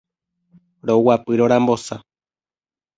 roguapy rorambosa